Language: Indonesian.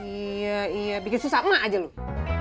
iya iya bikin susah mak aja loh